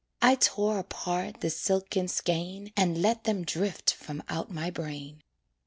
I tore apart the silken skein And let them drift from out my brain.